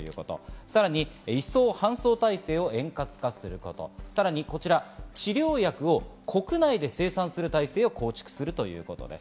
さらに移送・搬送体制を円滑化すること、さらに治療薬を国内で生産する体制を構築するということです。